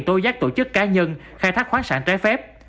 tối giác tổ chức cá nhân khai thác khoáng sản trái phép